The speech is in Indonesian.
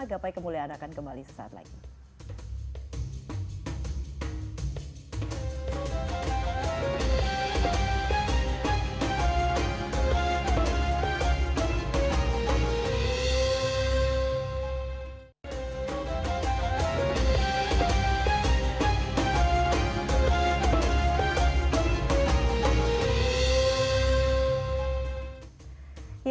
gapai kemuliaan akan kembali sesaat lagi